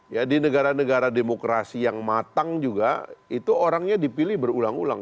ya di negara negara demokrasi yang matang juga itu orangnya dipilih berulang ulang